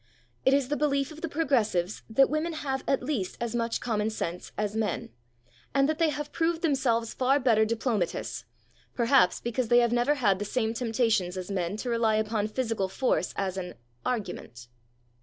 It is the belief of the progressives that women have at least as much common sense as men, and that they have proved themselves far better diplomatists, perhaps because they have never had the same temptations as men to rely upon physical force as an "argument."